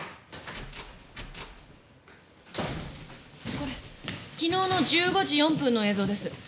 これ昨日の１５時４分の映像です。